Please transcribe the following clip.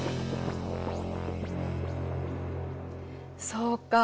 そうか。